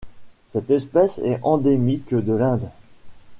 Cette espèce est endémique de l'Inde.